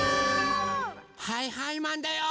はいはいマンだよー！